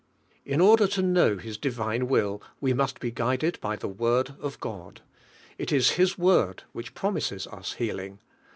In order to know His divine will, we must be guided by the Word of God. It is His Word which promises us healing.